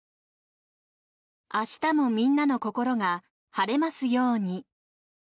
明日もみんなのココロが晴れますよーに。